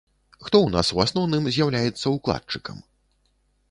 Хто ў нас у асноўным з'яўляецца ўкладчыкам?